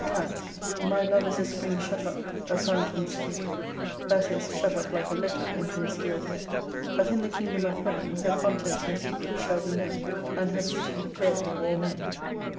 Cant. : My love is a spring shut up, a fountain sealed. That is, shut up like a letter, and concealed yet : but in the Kingdom of Heaven, her contents and secrets shall be known, and her beauty read of all men.